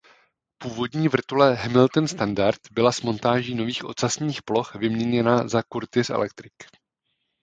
Původní vrtule Hamilton Standard byla s montáží nových ocasních ploch vyměněna za Curtiss Electric.